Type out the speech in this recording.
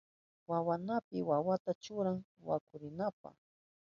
Hamakapi wawanta churan warkurinanpa.